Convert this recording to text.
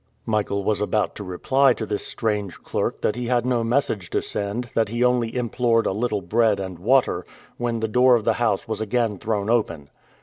Michael was about to reply to this strange clerk that he had no message to send, that he only implored a little bread and water, when the door of the house was again thrown open.